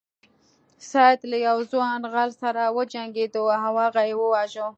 سید له یو ځوان غل سره وجنګیده او هغه یې وواژه.